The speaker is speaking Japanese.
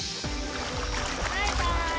バイバーイ！